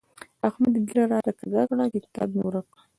احمد ږيره راته کږه کړه؛ کتاب مې ورکړ.